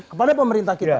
kepada pemerintah kita